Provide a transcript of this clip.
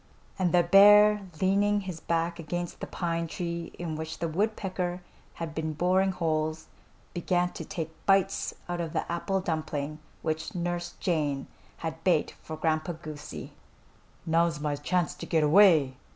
And the bear, leaning his back against the pine tree in which the woodpecker had been boring holes, began to take bites out of the apple dumpling which Nurse Jane had baked for Grandpa Goosey. "Now's my chance to get away!"